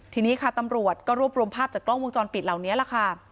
ทีนี้ค่ะตำรวจก็รวบรวมภาพจากกล้องวงจรปิดเหล่านี้แหละค่ะ